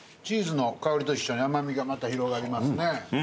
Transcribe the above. チーズの香りと一緒に甘味がまた広がりますね。